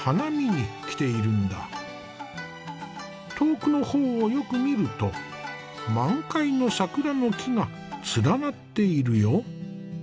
遠くの方をよく見ると満開の桜の木が連なっているよ。